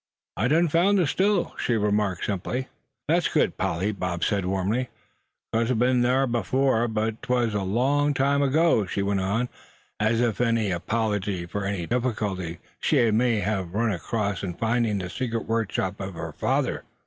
"I done found the Still," she remarked, simply. "That's good, Polly," Bob said, warmly. "Caus I'd be'n thar afore, but 'twas a long time ago," she went on, as if in apology for any difficulty she may have run across in finding the secret workshop of her father.